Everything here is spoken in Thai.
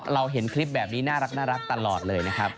เห็นคลิปแบบนี้น่ารักตลอดเลยนะครับ